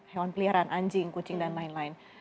hewan peliharaan anjing kucing dan lain lain